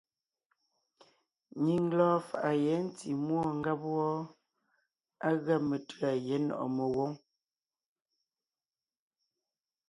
Nyìŋ lɔɔn faʼa yɛ̌ ntí múɔ ngáb wɔ́ɔ, á gʉa metʉ̌a Gyɛ̌ Nɔ̀ʼɔ Megwǒŋ.